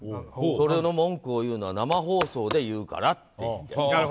この文句を言うのは生放送で言うからって。